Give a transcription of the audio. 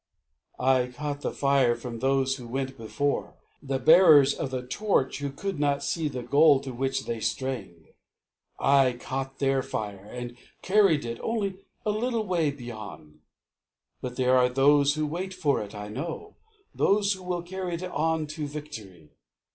I caught the fire from those who went before, The bearers of the torch who could not see The goal to which they strained. I caught their fire, And carried it, only a little way beyond; But there are those that wait for it, I know, Those who will carry it on to victory.